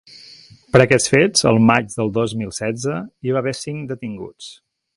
Per aquests fets, el maig del dos mil setze, hi va haver cinc detinguts.